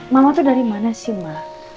mama tuh dari mana sih ma